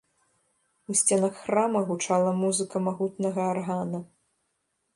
У сценах храма гучала музыка магутнага аргана.